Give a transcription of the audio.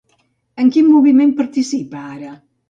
En quin moviment participa ara?